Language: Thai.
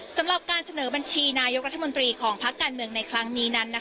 สำหรับการเสนอบัญชีนายกรัฐมนตรีของพักการเมืองในครั้งนี้นั้น